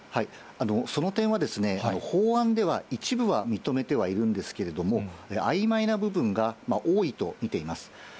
その点はですね、法案では一部は認めてはいるんですけれども、あいまいな部分が多いと見ています。